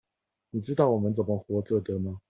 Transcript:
你知道我們怎麼活著的嗎？